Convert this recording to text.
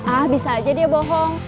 ah bisa aja dia bohong